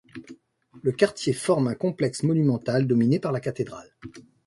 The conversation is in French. Le quartier forme un complexe monumental dominé par la cathédrale.